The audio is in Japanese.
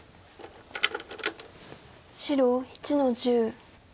白１の十。